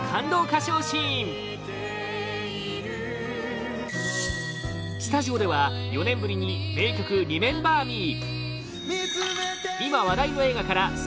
歌唱シーンスタジオでは４年ぶりに名曲「リメンバー・ミー」